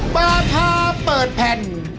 ราคาเปิดแผ่น